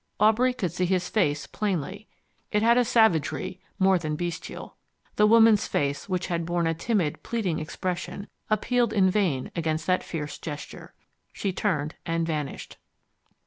Aubrey could see his face plainly: it had a savagery more than bestial. The woman's face, which had borne a timid, pleading expression, appealed in vain against that fierce gesture. She turned and vanished.